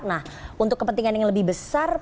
nah untuk kepentingan yang lebih besar